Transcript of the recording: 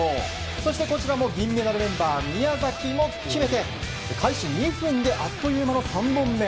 そしてこちらも銀メダルメンバー宮崎も決めて開始２分であっという間の３本目。